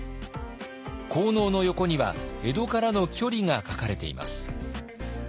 効能の横には江戸からの距離が書かれています。